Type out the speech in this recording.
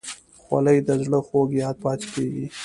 خولۍ د زړه خوږ یاد پاتې کېږي.